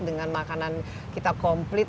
dengan makanan kita komplit